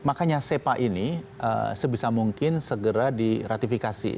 nah makanya sepa ini sebisa mungkin segera di ratifikasi